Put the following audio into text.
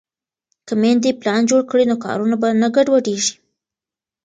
که میندې پلان جوړ کړي نو کارونه به نه ګډوډېږي.